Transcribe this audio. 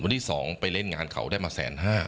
วันที่สองไปเล่นงานเขาได้มาแสนห้า